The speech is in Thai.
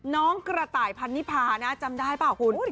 น้องกระต่ายพันนิพานะจำได้ป่ะหรอคุณ